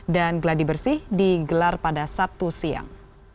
dan gladibersih digelar pada sabtu siang